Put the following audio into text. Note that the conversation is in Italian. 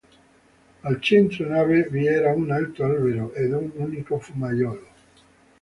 Al centro nave vi era un alto albero ed un unico fumaiolo.